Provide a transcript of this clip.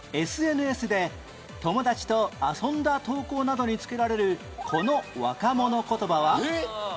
ＳＮＳ で友達と遊んだ投稿などに付けられるこの若者言葉は？